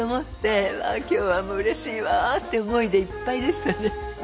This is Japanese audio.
うわ今日はうれしいわって思いでいっぱいでしたね。